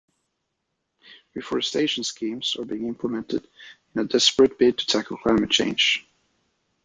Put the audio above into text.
Reforestation schemes are being implemented in a desperate bid to tackle climate change.